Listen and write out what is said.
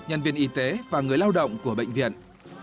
nhân viên y tế và người lao động của bệnh viện